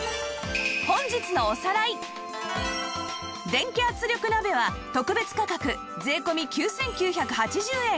電気圧力鍋は特別価格税込９９８０円